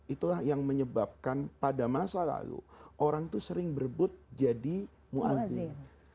itulah yang menyebabkan pada masa lalu orang itu sering berbut jadi muazzin